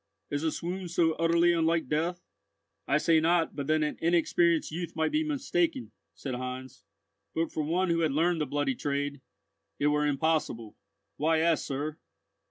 "Is a swoon so utterly unlike death?" "I say not but that an inexperienced youth might be mistaken," said Heinz; "but for one who had learned the bloody trade, it were impossible. Why ask, sir?"